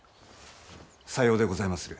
さようでございまする。